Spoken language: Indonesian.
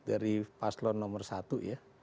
dari paslon nomor satu ya